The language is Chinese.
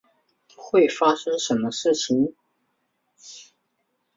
会发生什么事情？